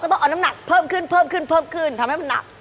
ก็ต้องเอาน้ำหนักเพิ่มขึ้นทำให้มันหนัก